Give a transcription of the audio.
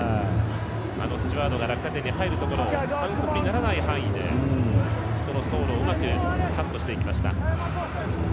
スチュワードが落下点に入るところ反則にならない範囲でその走路をうまくカットしていきました。